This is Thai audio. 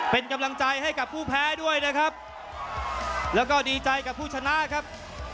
เป็นกำลังใจให้กับผู้แพ้ด้วยนะครับแล้วก็ดีใจกับผู้ชนะครับ